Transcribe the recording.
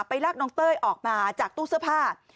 ลากน้องเต้ยออกมาจากตู้เสื้อผ้า